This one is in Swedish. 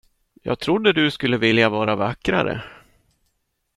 Jag trodde att du skulle vilja vara vackrare.